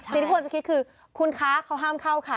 สิ่งที่ควรจะคิดคือคุณคะเขาห้ามเข้าค่ะ